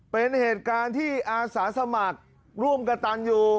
เป็นเหตุการณ์ที่อาสาสมัครร่วมกระตันอยู่